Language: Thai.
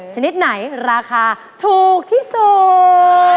ชนิดไหนราคาถูกที่สุด